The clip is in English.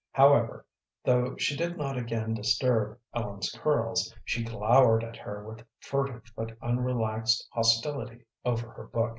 However, though she did not again disturb Ellen's curls, she glowered at her with furtive but unrelaxed hostility over her book.